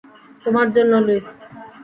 তোমার জন্য, লুইস।